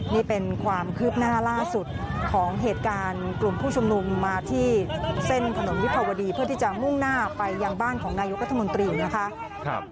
นี่เป็นความคืบหน้าล่าสุดของเหตุการณ์กลุ่มผู้ชุมนุมมาที่เส้นถนนวิภาวดีเพื่อที่จะมุ่งหน้าไปยังบ้านของนายกรัฐมนตรีนะคะ